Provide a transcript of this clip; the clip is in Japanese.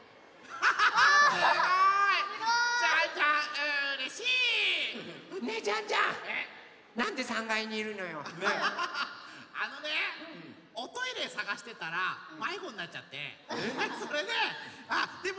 ハハハハあのねおトイレさがしてたらまいごになっちゃってそれであっでもね